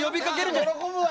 喜ぶわ！